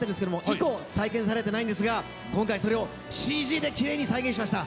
以降、再建されていないんですが今回それをＣＧできれいに再現しました。